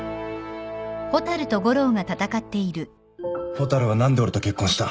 蛍は何で俺と結婚した？